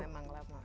ya memang lama